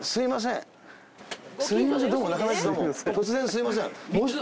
突然すいません。